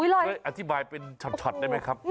เอ่อต่อไปพอครับอตธิบายเป็นช็อตได้ไหม